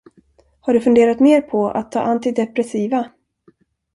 Har du funderat mer på att ta antidepressiva?